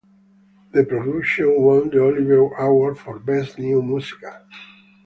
The production won the Olivier Award for Best New Musical.